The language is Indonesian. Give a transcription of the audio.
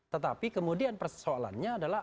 tetapi kemudian persoalannya adalah